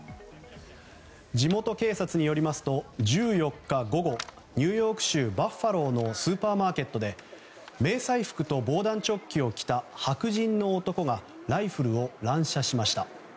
地元警察によりますと１４日午後ニューヨーク州バファローのスーパーマーケットで迷彩服と防弾チョッキを着た白人の男がライフルを乱射しました。